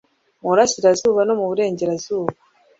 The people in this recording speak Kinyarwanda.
Mu burasirazuba no mu burengerazuba